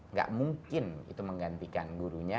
nggak mungkin itu menggantikan gurunya